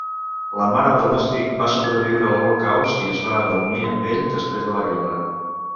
La mare de Lustig va sobreviure l'Holocaust i es va reunir amb ell després de la guerra.